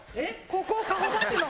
ここ顔出すの！